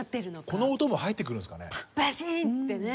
この音も入ってくるんですかね？